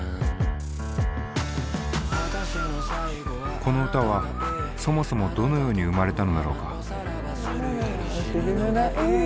この歌はそもそもどのように生まれたのだろうか。